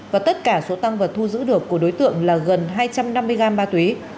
và tất cả số tăng vật thu giữ được của đối tượng là gần hai trăm năm mươi gram ma túy